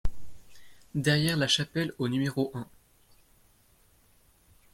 Derrière La Chapelle au numéro un